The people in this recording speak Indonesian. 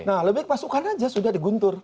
nah lebih masukkan aja sudah di guntur